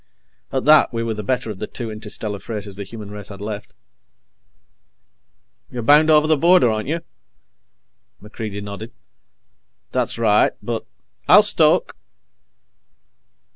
At that, we were the better of the two interstellar freighters the human race had left. "You're bound over the border, aren't you?" MacReidie nodded. "That's right. But " "I'll stoke."